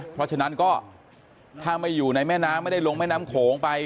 เพราะฉะนั้นก็ถ้าไม่อยู่ในแม่น้ำไม่ได้ลงแม่น้ำโขงไป